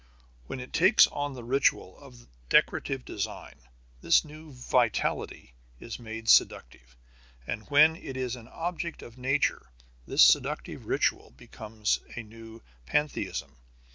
When it takes on the ritual of decorative design, this new vitality is made seductive, and when it is an object of nature, this seductive ritual becomes a new pantheism.